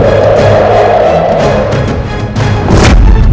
aku akan menjadikanmu penyakit